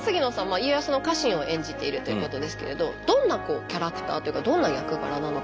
家康の家臣を演じているということですけれどどんなキャラクターというかどんな役柄なのか。